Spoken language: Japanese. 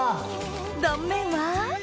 断面は？